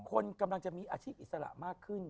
คนกำลังจะมีอาชีพอิสระมากขึ้น